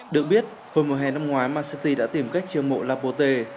được biết hồi mùa hè năm ngoái man city đã tìm cách triều mộ lapote